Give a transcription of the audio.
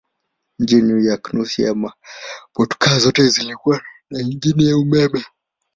Mjini New York nusu ya motokaa zote zilikuwa na injini ya umeme.